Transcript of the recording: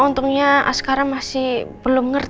untungnya sekarang masih belum ngerti